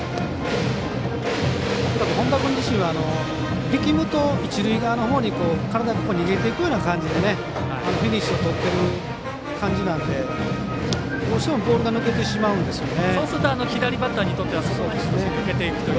本田君自身は力むと一塁側のほうに体が逃げていくような感じでフィニッシュをとっている感じなんでどうしてもボールが抜けてしまうんですよね。